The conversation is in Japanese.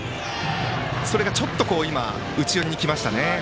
それがちょっと今内寄りに来ました。